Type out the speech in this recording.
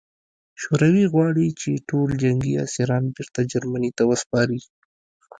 شوروي غواړي چې ټول جنګي اسیران بېرته جرمني ته وسپاري